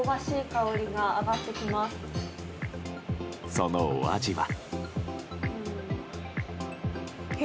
そのお味は。